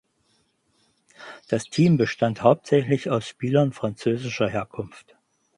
Das Team bestand hauptsächlich aus Spielern französischer Herkunft.